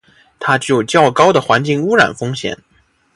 它具有较高的环境污染风险。